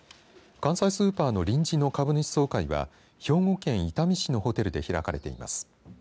関西スーパーの臨時の株主総会は兵庫県伊丹市のホテルで開かれています。